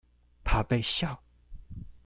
怕被笑？